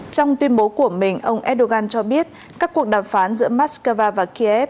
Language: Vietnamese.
trong tuyên bố của mình ông erdogan cho biết các cuộc đàm phán giữa moscow và kiev